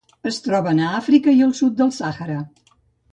Es troben a Àfrica al sud del Sàhara.